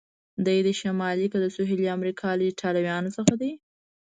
دی د شمالي که د سهیلي امریکا له ایټالویانو څخه دی؟